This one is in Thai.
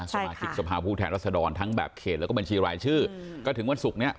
สมาชิกสภาพผู้แทนรัศดรทั้งแบบเขตแล้วก็บัญชีรายชื่อก็ถึงวันศุกร์เนี้ย